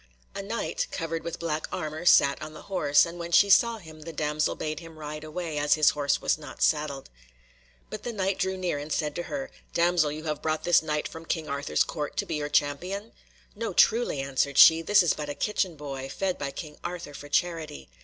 A Knight, covered with black armour, sat on the horse, and when she saw him the damsel bade him ride away, as his horse was not saddled. But the Knight drew near and said to her, "Damsel, have you brought this Knight from King Arthur's Court to be your champion?" "No, truly," answered she, "this is but a kitchen boy, fed by King Arthur for charity."